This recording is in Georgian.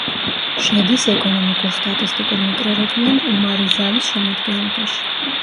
შედის ეკონომიკურ-სტატისტიკურ მიკრორეგიონ უმარიზალის შემადგენლობაში.